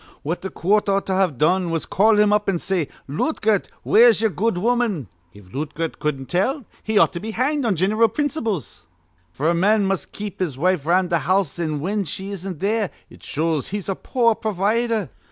What th' coort ought to've done was to call him up, an' say: 'Lootgert, where's ye'er good woman?' If Lootgert cudden't tell, he ought to be hanged on gin'ral principles; f'r a man must keep his wife around th' house, an' whin she isn't there, it shows he's a poor provider.